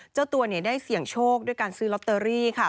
เจ้าตัวได้เสี่ยงโชคด้วยการซื้อลอตเตอรี่ค่ะ